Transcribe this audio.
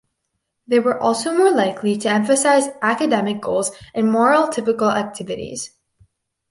They were also more likely to emphasize academic goals and moral typical activities.